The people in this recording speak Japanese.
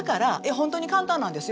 本当に簡単なんですよ。